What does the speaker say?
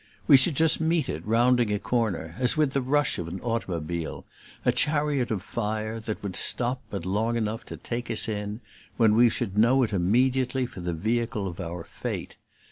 We should just meet it rounding a corner as with the rush of an automobile a chariot of fire that would stop but long enough to take us in, when we should know it immediately for the vehicle of our fate.